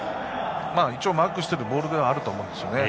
一応マークしているボールではあると思うんですね。